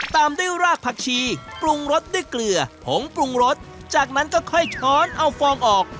ตามด้วยรากผักชีปรุงรสด้วยเกลือผงปรุงรสจากนั้นก็ค่อยช้อนเอาฟองออก